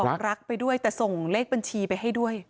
รักไปด้วยแต่ส่งเลขบัญชีไปให้ด้วย